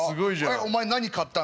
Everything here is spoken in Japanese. お前何買ったの？